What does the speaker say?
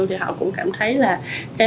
thì họ cũng cảm thấy là